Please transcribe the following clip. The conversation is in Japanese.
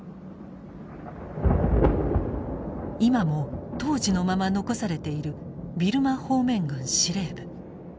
今も当時のまま残されているビルマ方面軍司令部。